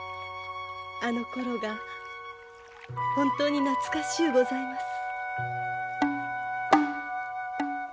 あのころが本当に懐かしゅうございます。